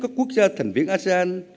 các quốc gia thành viên asean